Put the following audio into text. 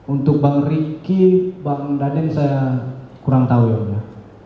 untuk bang ricky bang daden saya kurang tahu ya mulia